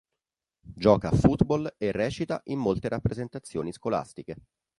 Gioca a football e recita in molte rappresentazioni scolastiche.